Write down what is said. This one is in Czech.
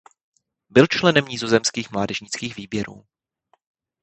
Byl členem nizozemských mládežnických výběrů.